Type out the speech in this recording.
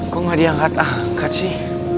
kok gak diangkat angkat sih